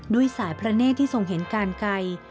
ด้วยสายพระเนธที่ทรงเห็นการไกล